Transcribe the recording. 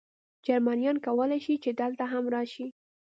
جرمنیان کولای شي، چې دلته هم راشي.